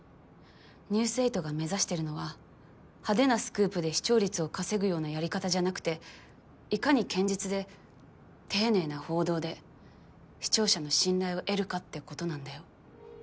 「ニュース８」が目指してるのは派手なスクープで視聴率を稼ぐようなやり方じゃなくていかに堅実で丁寧な報道で視聴者の信頼を得るかってことなんだよ。